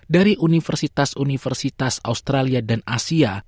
dari universitas universitas australia dan asia